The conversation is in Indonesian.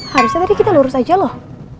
harusnya tadi kita lurus aja loh